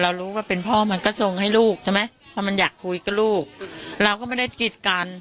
รู้ว่าเป็นพ่อมันก็ทรงให้ลูกใช่ไหมเพราะมันอยากคุยกับลูกเราก็ไม่ได้กิดกัน